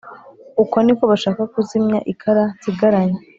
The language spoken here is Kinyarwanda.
uko ni ko bashaka kuzimya ikara nsigaranye